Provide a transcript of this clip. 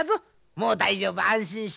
もう大丈夫安心し。